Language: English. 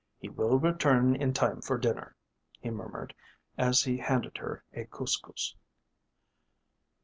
He will return in time for dinner," he murmured as he handed her a cous cous.